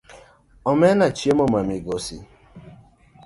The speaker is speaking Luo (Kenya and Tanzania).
Omena chiemo ma migosi.